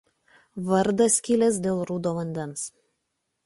Vardas kilęs dėl rudo vandens.